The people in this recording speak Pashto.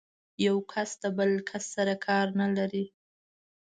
يو کس د بل کس سره کار نه لري.